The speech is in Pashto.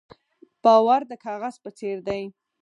باور د کاغذ په څېر دی.